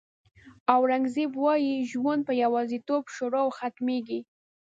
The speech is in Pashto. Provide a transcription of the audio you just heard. اورنګزېب وایي ژوند په یوازېتوب شروع او ختمېږي.